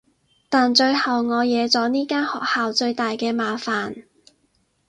但最後我惹咗呢間學校最大嘅麻煩